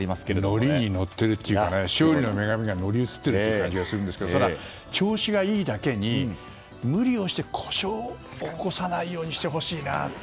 乗りに乗っているというか勝利の女神が乗り移っている感じがしますが調子がいいだけに無理をして故障を起こさないようにしてほしいなと。